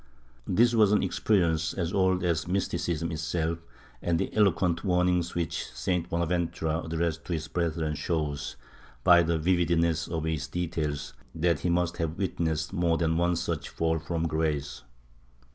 This was an experience as old as mysticism itself, and the eloquent warning which St. Bonaventura addressed to his brethren shows, by the vividness of its details, that he must have witnessed more than one such fall from grace.'